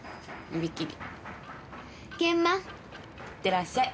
いってらっしゃい。